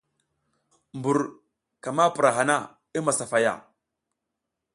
Mbur ka ma pura hana, i masafaya.